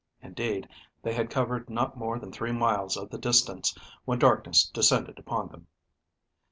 Indeed, they had covered not more than three miles of the distance when darkness descended upon them.